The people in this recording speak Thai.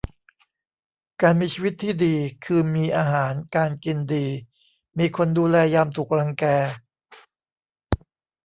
การมีชีวิตที่ดี คือมีอาหารการกินดี มีคนดูแลยามถูกรังแก